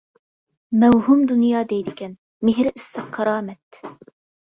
مەۋھۇم دۇنيا دەيدىكەن، مېھرى ئىسسىق كارامەت.